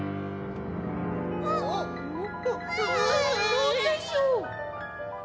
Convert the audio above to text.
なんでしょう？